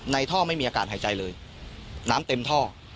ในท่อไม่มีอากาศหายใจเลยน้ำเต็มท่อ